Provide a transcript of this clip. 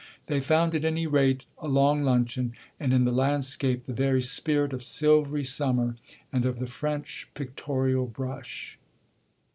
They found at any rate a long luncheon, and in the landscape the very spirit of silvery summer and of the French pictorial brush.